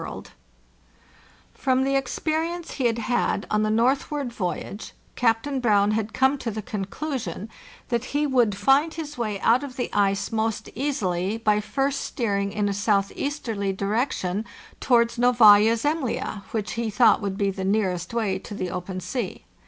THE JOURNEY SOUTHWARD 579 From the experience he had had on the northward voyage, Captain Brown had come to the conclusion that he would find his way out of the ice most easily by first steering in a southeasterly direction towards Novaya Zemlya, which he thought would be the nearest way to the open sea.